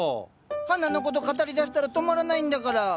花のこと語りだしたら止まらないんだから。